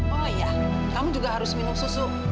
oh iya kamu juga harus minum susu